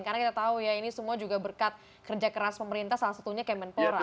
karena kita tahu ya ini semua juga berkat kerja keras pemerintah salah satunya kementerian pemuda